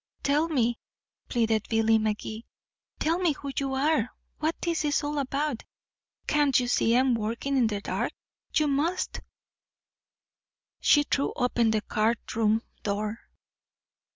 "Tell me," pleaded Billy Magee. "Tell me who you are what this is all about. Can't you see I'm working in the dark? You must " She threw open the card room door.